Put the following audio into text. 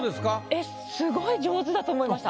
えっスゴい上手だと思いました。